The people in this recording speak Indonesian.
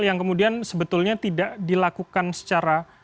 yang kemudian sebetulnya tidak dilakukan secara